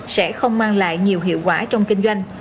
sẽ không mang lại nhiều hiệu quả trong kinh doanh